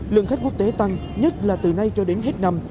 lượng khách quốc tế tăng nhất là từ nay cho đến hết năm